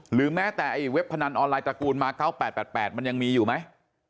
หรือแม้แต่เว็บพนันออนไลตระกูลมา๙๘๘มันยังมีอยู่ไหม